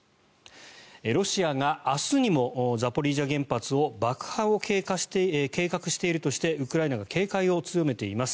ロシアが明日にもザポリージャ原発を爆破を計画しているとしてウクライナが警戒を強めています。